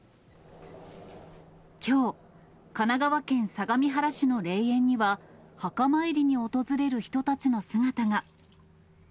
きょう、神奈川県相模原市の霊園には、墓参りに訪れる人たちの姿が。